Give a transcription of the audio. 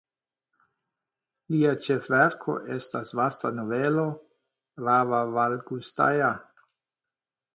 Lia ĉefverko estas vasta novelo "Rahvavalgustaja".